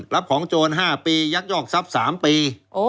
รับของโจร๕ปียักยอกทรัพย์๓ปี